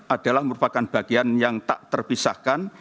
adalah merupakan bagian yang tak terpisahkan